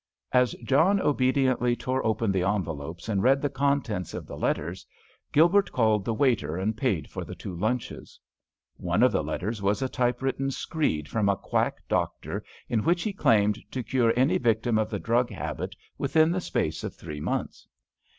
As John obediently tore open the envelopes and read the contents of the letters, Gilbert called the waiter and paid for the two lunches. One of the letters was a typewritten screed from a quack doctor in which he claimed to cure any victim of the drug habit within the space of three months.